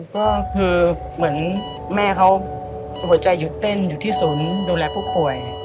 ก็คือเหมือนแม่เขาหัวใจหยุดเต้นอยู่ที่ศูนย์ดูแลผู้ป่วย